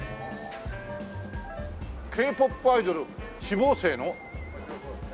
「Ｋ−ＰＯＰアイドル志望生の」。